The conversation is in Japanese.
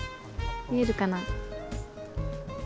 見えるかな？